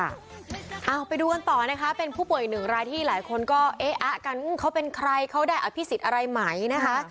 เอาไปดูกันต่อนะคะเป็นผู้ป่วยหนึ่งรายที่หลายคนก็เอ๊ะอะกันเขาเป็นใครเขาได้อภิษฎอะไรไหมนะคะ